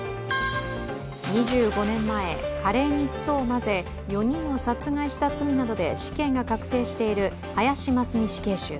２５年前、カレーにヒ素を混ぜ４人を殺害した罪などで死刑が確定している林真須美死刑囚。